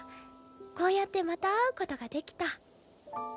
こうやってまた会うことができた。